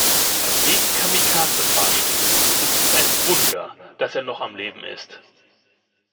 Bei dem Kamikaze-Fahrstil ist es ein Wunder, dass er noch am Leben ist.